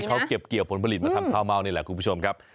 เขาเก็บเกี่ยวผลผลิตมาทำข้าวเม่านี่แหละคุณผู้ชมครับ